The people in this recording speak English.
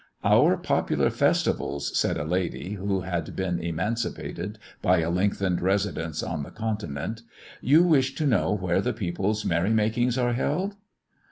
"Our popular festivals!" said a lady, who had been emancipated by a lengthened residence on the Continent. "You wish to know where the people's merry makings are held?